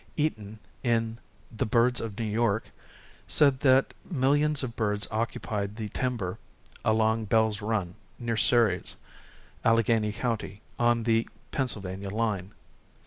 Eaton, in "The Birds of New York," said that "millions of birds occupied the timber along Bell's Run, near Ceres, Alleghany County, on the Pennsylvania line."